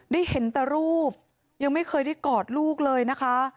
ได้เห็นแต่รูปยังไม่เคยได้กอดลูกเลยนะคะ